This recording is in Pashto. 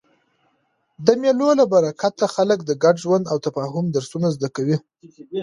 د مېلو له برکته خلک د ګډ ژوند او تفاهم درسونه زده کوي.